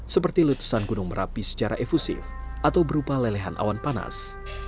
seperti letusan gunung merapi secara efusif atau berupa lelehan awan panas